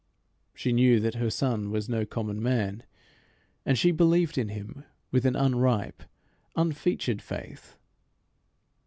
She knew that her son was no common man, and she believed in him, with an unripe, unfeatured faith.